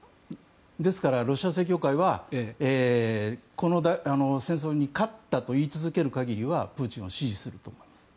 ですから、ロシア正教会はこの戦争に勝ったと言い続ける限りはプーチンを支持すると思います。